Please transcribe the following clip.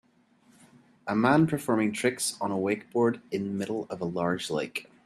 A man performing tricks on a wakeboard in the middle of a large lake.